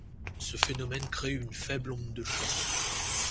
Ce phénomène crée une faible onde de choc.